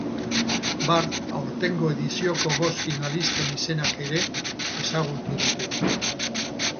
Bart, aurtengo edizioko bost finalisten izenak ere ezagutu ditugu.